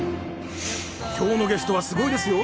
今日のゲストはすごいですよ。